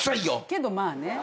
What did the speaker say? けどまあね。